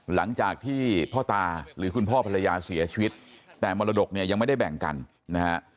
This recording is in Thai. หลังจากที่พ่อตาหรือคุณพ่อภรรยาเสียชีวิตแต่มรดกเนี่ยยังไม่ได้แบ่งกันนะฮะ